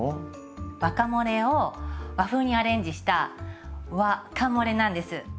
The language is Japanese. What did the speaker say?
ワカモレを和風にアレンジした和カモレなんです。